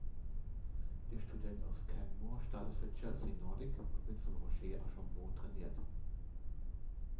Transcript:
Der Student aus Canmore startet für "Chelsea Nordic" und wird von Roger Archambault trainiert.